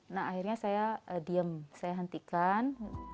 nah akhirnya saya diem saya hentikan